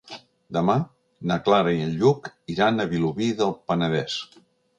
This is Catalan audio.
Demà na Clara i en Lluc iran a Vilobí del Penedès.